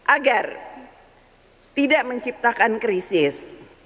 agar tidak menciptakan krisis